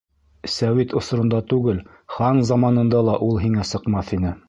Сәүит осоронда түгел, хан заманында ла ул һиңә сыҡмаҫ ине.